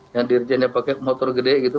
yang dirjennya pakai motor gede gitu